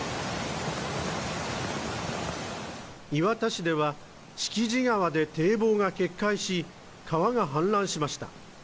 磐田市では敷地川で堤防が決壊し川が氾濫しました。